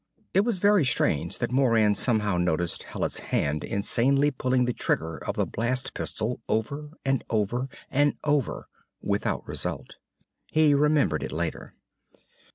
It was very strange that Moran somehow noticed Hallet's hand insanely pulling the trigger of the blast pistol over and over and over without result. He remembered it later.